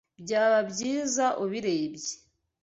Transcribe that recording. Byaba byiza ubirebye.